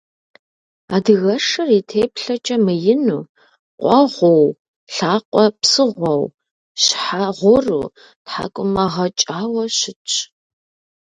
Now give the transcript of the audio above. Адыгэшыр и теплъэкӀэ мыину, къуэгъуу, лъакъуэ псыгъуэу, щхьэ гъуру, тхьэкӀумэ гъэкӀауэ щытщ.